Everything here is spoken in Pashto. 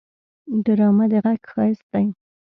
ډرامه د غږ ښايست دی